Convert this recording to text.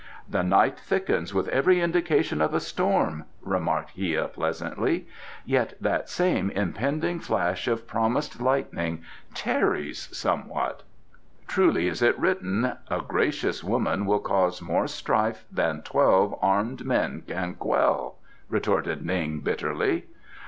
"The night thickens, with every indication of a storm," remarked Hia pleasantly. "Yet that same impending flash of promised lightning tarries somewhat." "Truly is it written: 'A gracious woman will cause more strife than twelve armed men can quell,'" retorted Ning bitterly.